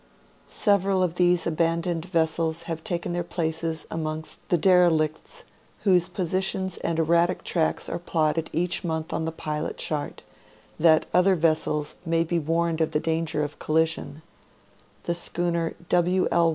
Several of these abandoned vessels have taken their places amongst the derelicts whose positions and erratic tracks are plotted each month on the Pilot Chart, that other vessels may be warned of the danger of collision; the sch. "W. L.